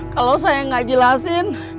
kalau saya gak jelasin